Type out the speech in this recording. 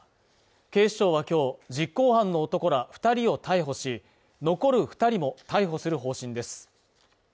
警視庁は今日、実行犯の男ら２人を逮捕し、残る２人も逮捕する方針です。